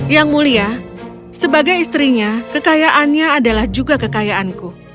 yang mulia sebagai istrinya kekayaannya adalah juga kekayaanku